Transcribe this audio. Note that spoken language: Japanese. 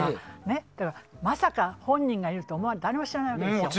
だから、まさか本人がいるとは誰も知らないわけですよ。